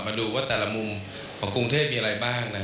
มาดูว่าแต่ละมุมของกรุงเทพมีอะไรบ้าง